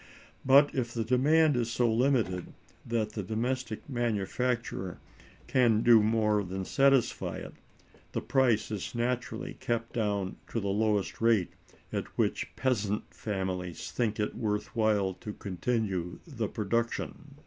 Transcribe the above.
But if the demand is so limited that the domestic manufacture can do more than satisfy it, the price is naturally kept down to the lowest rate at which peasant families think it worth while to continue the production.